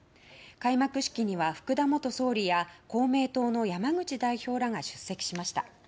開幕式には福田元総理や公明党の山口代表らが出席しました。